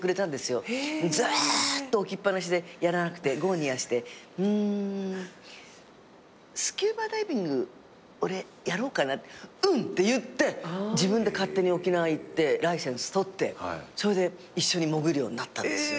ずーっと置きっ放しでやらなくて業を煮やして「うーんスキューバダイビング俺やろうかな」うん！って言って自分で勝手に沖縄行ってライセンス取ってそれで一緒に潜るようになったんです。